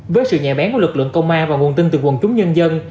với sự nhạy bén của lực lượng công an và nguồn tin từ quần chúng nhân dân